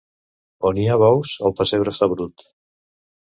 On hi ha bous, el pessebre està brut.